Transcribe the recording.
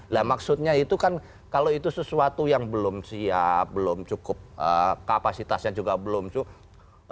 nah maksudnya itu kan kalau itu sesuatu yang belum siap belum cukup kapasitasnya juga belum cukup